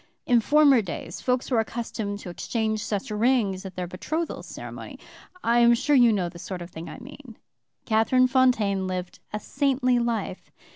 In former days folks were accustomed to exchange such rings at their betrothal ceremony. I am sure you know the sort of thing I mean. "Catherine Fontaine lived a saintly life.